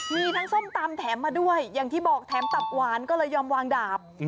มีทั้งส้มตำแถมมาด้วยอย่างที่บอกแถมตับหวานก็เลยยอมวางดาบ